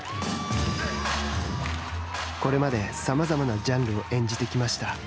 これまで、さまざまなジャンルを演じてきました。